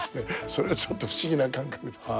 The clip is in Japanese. それがちょっと不思議な感覚です。